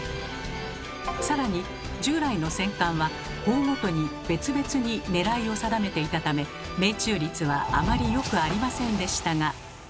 さらに従来の戦艦は砲ごとに別々に狙いを定めていたため命中率はあまりよくありませんでしたが。